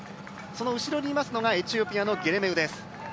その後ろにいますのがエチオピアのゲレメウです。